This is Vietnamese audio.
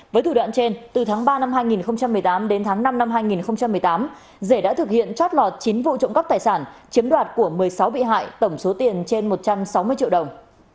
với thủ đoạn trên từ tháng ba năm hai nghìn một mươi tám đến tháng năm năm hai nghìn một mươi tám rể đã thực hiện trót lọt chín vụ trộm cắp tài sản chiếm đoạt của một mươi sáu bị hại tổng số tiền trên một trăm sáu mươi triệu đồng